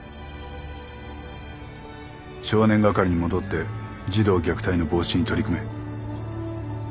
少年係に戻って児童虐待の防止に取り組め。